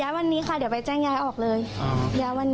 วันนี้ค่ะเดี๋ยวไปแจ้งย้ายออกเลย